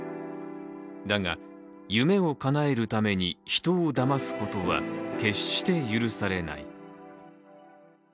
だが夢をかなえるために人をだますことは決して許されない。